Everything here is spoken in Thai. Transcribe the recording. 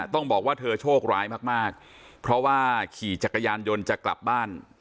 ต้องบอกว่าเธอโชคร้ายมากเพราะว่าขี่จักรยานยนต์จะกลับบ้าน